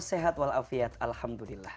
sehat walafiat alhamdulillah